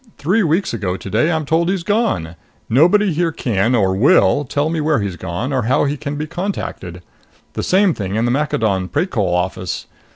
Three weeks ago today I'm told he's gone. Nobody here can, or will, tell me where he's gone or how he can be contacted. The same thing in the Maccadon Precol office.